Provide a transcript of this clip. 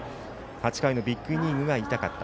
８回のビッグイニングが痛かった。